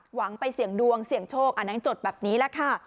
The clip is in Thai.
หวังไปเสี่ยงดวงเสี่ยงโชคอันนั้นจดแบบนี้แหละค่ะ